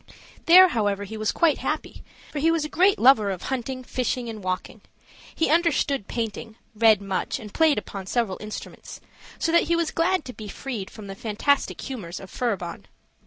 There, however, he was quite happy, for he was a great lover of hunting, fishing, and walking: he understood painting, read much, and played upon several instruments, so that he was glad to be freed from the fantastic humors of Furibon.